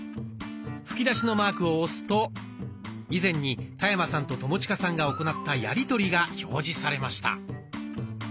吹き出しのマークを押すと以前に田山さんと友近さんが行ったやり取りが表示されました。